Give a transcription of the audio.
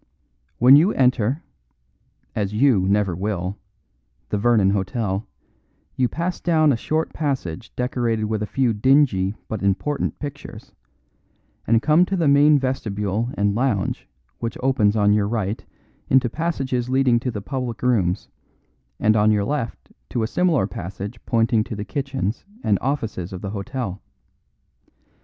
When you enter (as you never will) the Vernon Hotel, you pass down a short passage decorated with a few dingy but important pictures, and come to the main vestibule and lounge which opens on your right into passages leading to the public rooms, and on your left to a similar passage pointing to the kitchens and offices of the hotel.